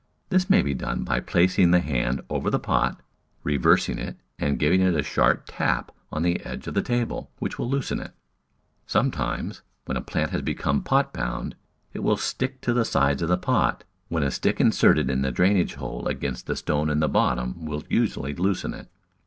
This may be done by placing the hand over the pot, reversing it and giv ing it a sharp tap on the edge of the table, which will loosen it. Sometimes, when a plant has become pot bound, it will stick to the sides of the pot, when a stick inserted in the drainage hole against the stone in the bottom will usually loosen it.